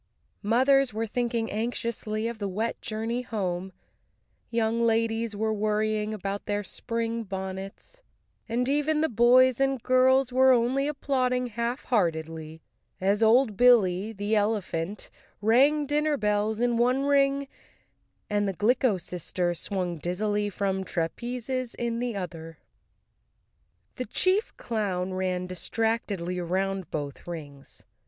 Mothers were thinking anxiously of the wet journey home, young ladies were worrying about their spring bonnets, and 29 The Cowardly Lion of Oz even the boys and girls were only applauding half¬ heartedly as old Billy, the elephant, rang dinner bells in one ring and the Glicko sisters swung dizzily from trapezes in the other. The chief clown ran distractedly around both rings.